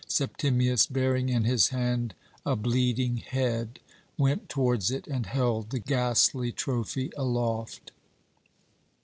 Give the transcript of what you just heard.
Septimius, bearing in his hand a bleeding head, went towards it and held the ghastly trophy aloft.